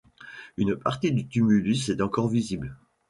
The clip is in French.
Une partie du tumulus est encore visible.